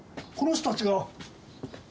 「この人たちが」